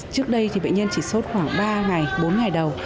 trước đây thì bệnh nhân chỉ sốt khoảng ba ngày bốn ngày đầu